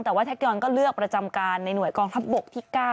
แต่ว่าแท็กยอนก็เลือกประจำการในหน่วยกองทัพบกที่๙